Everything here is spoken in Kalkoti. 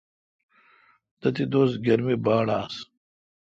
تھتی دوس گرمی باڑ آس۔